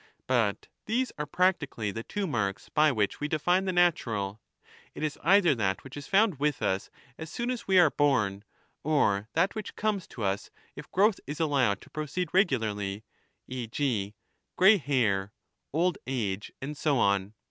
But these are practically the two marks by which we define the natural — it is either that which is Tound with us as soon as we are bom, or that which comes to .us if growth is allowed to proceed regularly, e. g. grey hair, old age, and so on.